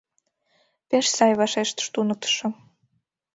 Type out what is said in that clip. — Пеш сай, — вашештыш туныктышо.